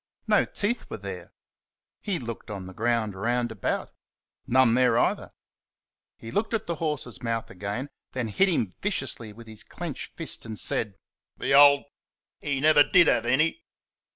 No teeth were there. He looked on the ground round about none there either. He looked at the horse's mouth again, then hit him viciously with his clenched fist and said, "The old , he never DID have any!"